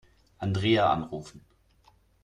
Andrea anrufen.